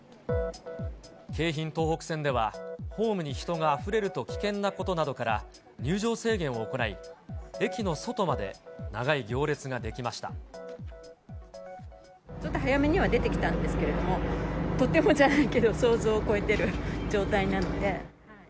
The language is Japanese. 京浜東北線では、ホームに人があふれると危険なことから入場制限を行い、駅の外まちょっと早めには出てきたんですけど、とてもじゃないけど想像を超えてる状態なので。